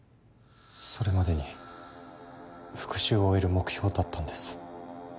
それまでに復讐を終える目標だったんです。